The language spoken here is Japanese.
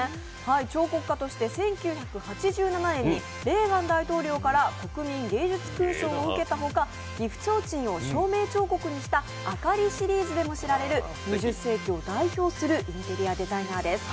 彫刻家として１９８７年にレーガン大統領から国民芸術勲章を受けたほか、岐阜提灯を照明彫刻にした岐阜提灯を照明彫刻にしたＡＫＡＲＩシリーズでも知られる２０世紀を代表するインテリアデザイナーです。